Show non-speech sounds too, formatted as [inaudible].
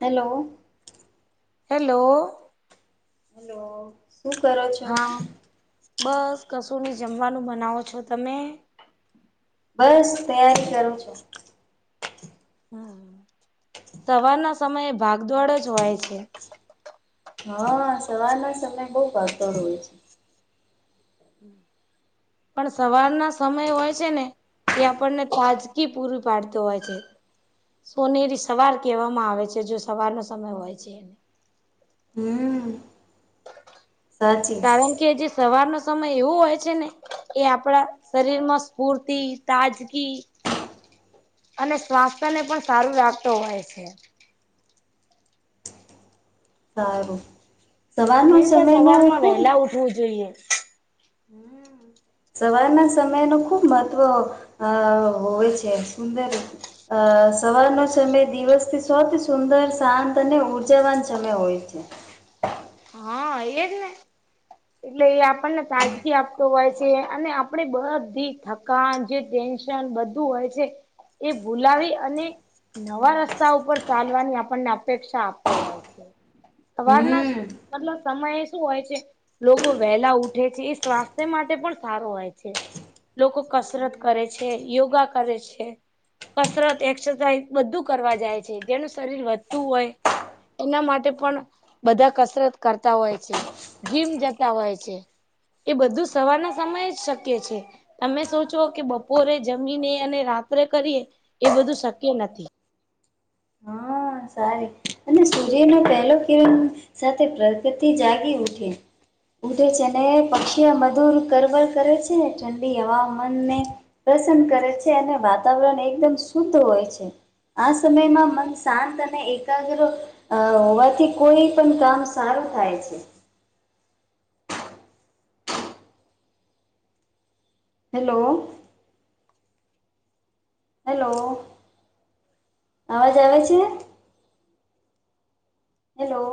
Hello. Hello hello. હું કરો છો? હા બસ કશુંની જમવાનું બનાવો છો તમે બસ તૈયારી કરું છું. હમ સવારના સમયે ભાગદોડ જ હોય છે. હા સવારના સમયે બોઉ ભાગદોડ હોય છે. પણ સવારના સમય હોય છે ને એ આપણને તાજગી પૂરૂ પાડતો હોય છે. સોનેરી સવાર કહેવામાં આવે છે જો સવારનો સમય હોય છે એને હમ. કારણ કે જે સવારનો સમય એવો હોય છે ને એ આપડા શરીર માં સ્ફૂર્તિ, તાજગી અને સ્વાસ્થ્યને પણ સારું રાખતો હોય છે. સારું સવારનો હંમેશા સમય નુ સવારમાં ખુબ વહેલા ઉઠવું જોઈએ. [inaudible] સવારના સમયનું ખૂબ મહત્ત્વ હા--હોય છે સુંદરી અ સવારનો સમય દિવસથી સોથી સુંદર શાંત અને ઉર્જાવાન સમય હોય છે. હા એ જ ને એટલે એ આપણને તાજગી આપતો હોય છે અને આપણે બધી થકાન જે ટેન્શ બધું હોય છે એ ભૂલાવી અને નવા રસ્તા ઉપર ચાલવાની આપણને અપેક્ષા આપતો હોય છે સવારના હમ્મ મતલબ સમયે શું હોય છે. લોકો વહેલા ઉઠે છે એ સ્વાસ્થ્ય માટે પણ સારો હોય છે. લોકો કસરત કરે છે યોગા કરે છે. કસરત એક્સરસાઇઝ બધું કરવા જાય છે જેનું શરીર વધતું હોય. એના માટે પણ બધા કસ કસરત કરતા હોય છે જીમ જતા હોય છે. એ બધું સવારના સમયે જ શક્ય છે તમે સોચો કે બપોરે જમીને અને રાત્રે કરીએ એ બધું શક્ય નથી હા સાર અને સુર્યનો પેહલો કિ સાથે પ્રગતિ જાગી ઉઠી ઉધે છે અને પક્ષી મધુર કરવર કરે છે ઠંડી હવામાનને પ્રસન્ન કરે છે અને વાતાવરણ એકદમ શુદ્ધ હોય છે આ સમયમાં મન શાંત અને એકાગ્ર હોવાથી કોઈ પણ કામ સારું થાય છે હેલો હેલો આવાજ આવે છે હેલો